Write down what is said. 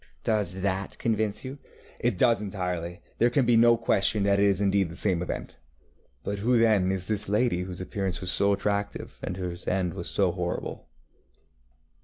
ŌĆÖ Does that convince you? ŌĆØ ŌĆ£It does entirely. There can be no question that it is indeed the same event. But who, then, is this lady whose appearance was so attractive and whose end was so horrible?